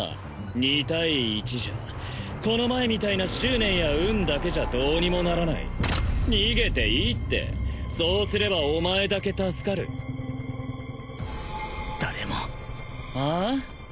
２対１じゃこの前みたいな執念や運だけじゃどうにもならない逃げていいってそうすればお前だけ助かる誰もはあ？